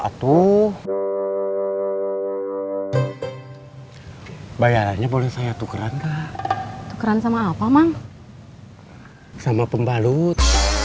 satu bayarannya boleh saya tukeran tukeran sama apa mang sama pembalut